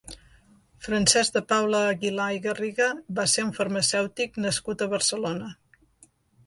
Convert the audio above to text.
Francesc de Paula Aguilar i Garriga va ser un farmacèutic nascut a Barcelona.